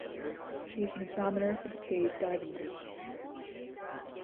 She is an examiner for the Cave Diving Group.